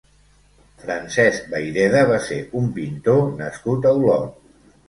Francesc Vayreda va ser un pintor nascut a Olot.